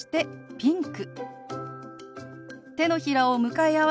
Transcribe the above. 「ピンク」。